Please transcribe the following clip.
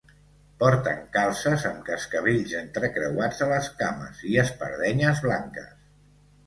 Porten calces amb cascavells entrecreuats a les cames i espardenyes blanques.